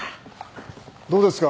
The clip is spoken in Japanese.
どうですか？